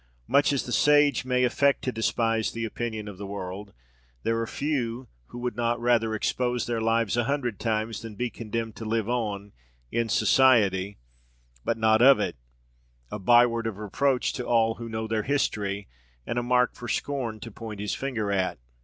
Much as the sage may affect to despise the opinion of the world, there are few who would not rather expose their lives a hundred times than be condemned to live on, in society, but not of it a by word of reproach to all who know their history, and a mark for scorn to point his finger at.